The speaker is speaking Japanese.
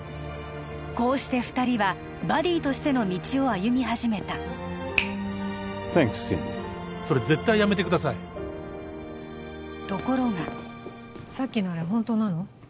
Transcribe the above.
こうして二人はバディとしての道を歩み始めたサンクスシンディーそれ絶対やめてくださいところがさっきのあれ本当なの？